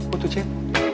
ôi thưa chết